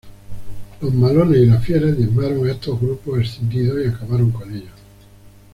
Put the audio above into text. Los malones y las fieras diezmaron a estos grupos escindidos y acabaron con ellos.